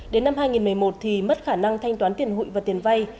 đến năm hai nghìn một mươi một thì mất khả năng thanh toán tiền hụi và tiền vay